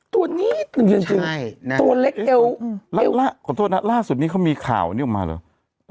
ตัวนี้ตัวเล็กเดิมเอ็ดอ๋อขอบคุณนะล่าสุดนี้เขามีข่าวนี่ออกมาล่ะเอิ่ม